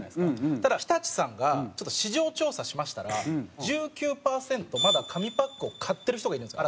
ただ、日立さんが市場調査しましたら１９％、まだ、紙パックを買ってる人がいるんですよ